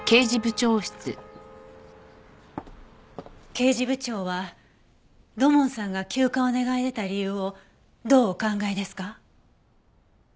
刑事部長は土門さんが休暇を願い出た理由をどうお考えですか？